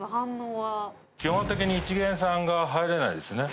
基本的にいちげんさんが入れないですよね。